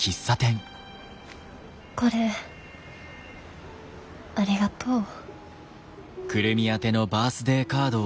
これありがとう。